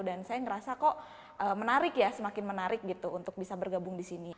dan saya merasa kok menarik ya semakin menarik gitu untuk bisa bergabung di sini